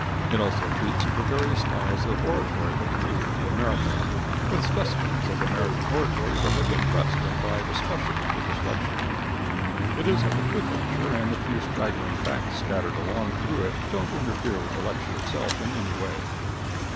It also treats of the various styles of oratory peculiar to America, with specimens of American oratory that have been pressed and dried especially for this lecture. It is a good lecture, and the few straggling facts scattered along through it don't interfere with the lecture itself in any way.